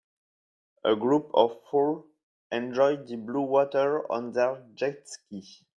A group of four enjoy the blue water on their jet skis.